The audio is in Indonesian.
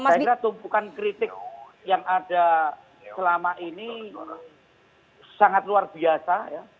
saya kira tumpukan kritik yang ada selama ini sangat luar biasa ya